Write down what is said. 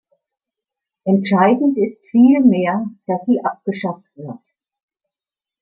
Entscheidend ist vielmehr, dass sie abgeschafft wird.